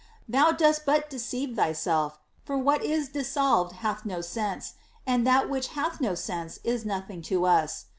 Thou dost but deceive thyself; for what is dissolved hath no sense, and that which hath no sense is nothing to us.